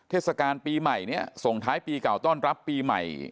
เทศกาลปีใหม่เนี่ยส่งท้ายปีเก่าต้อนรับปีใหม่